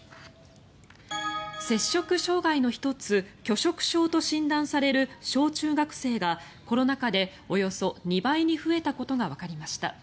摂食障害の１つ拒食症と診断される小中学生がコロナ禍で、およそ２倍に増えたことがわかりました。